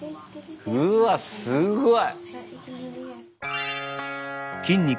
うわっすごい！